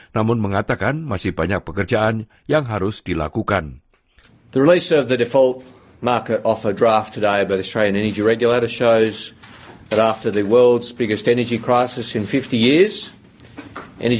namun mengatakan masih banyak pekerjaan yang harus dilakukan